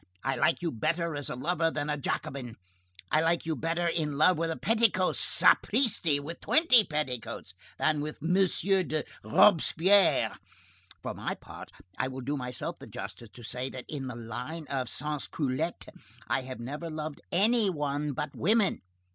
I like you better as a lover than as a Jacobin. I like you better in love with a petticoat, sapristi! with twenty petticoats, than with M. de Robespierre. For my part, I will do myself the justice to say, that in the line of sans culottes, I have never loved any one but women.